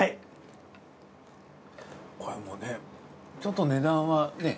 これもうねちょっと値段はねぇ。